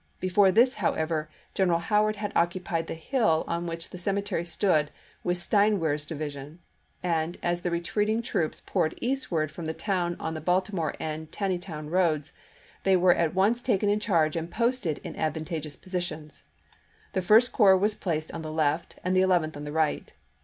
Before this, however, General Howard had occupied the hill on which the cemetery stood with Steinwehr's division, and as the retreating troops poured eastward from the town on the Baltimore and Taneytown roads, they were at once taken in charge and posted in advan tageous positions : the First Corps was placed on GETTYSBUBG 243 the left, and the Eleventh on the right.